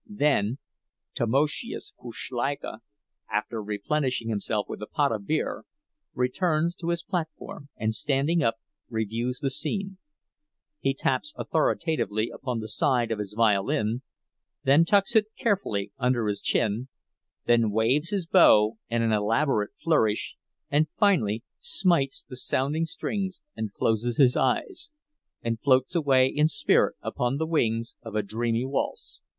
Then Tamoszius Kuszleika, after replenishing himself with a pot of beer, returns to his platform, and, standing up, reviews the scene; he taps authoritatively upon the side of his violin, then tucks it carefully under his chin, then waves his bow in an elaborate flourish, and finally smites the sounding strings and closes his eyes, and floats away in spirit upon the wings of a dreamy waltz.